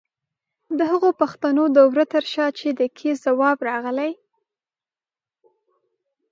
د هغو پښتنو د وره تر شا چې د کېست ځواب راغلی؛